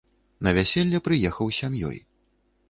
На вяселле прыехаў з сям'ёй.